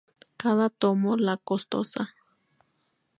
Cade tomó la costosa ropa y armadura de sir Humphrey como propia.